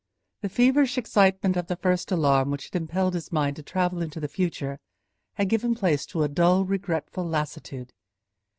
The feverish excitement of the first alarm which had impelled his mind to travel into the future had given place to a dull, regretful lassitude.